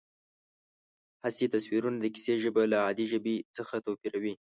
حسي تصویرونه د کیسې ژبه له عادي ژبې څخه توپیروي